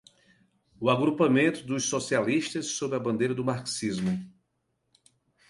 o agrupamento dos socialistas sob a bandeira do marxismo